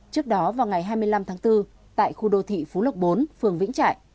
trước đó vào ngày hai mươi năm tháng bốn tại khu đô thị phú lộc bốn phường vĩnh trại